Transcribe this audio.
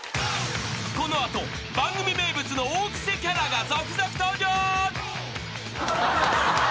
［この後番組名物の大クセキャラが続々登場］